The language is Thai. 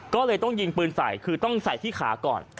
ก็เลยต้องยิงปืนใส่คือต้องใส่ที่ขาก่อน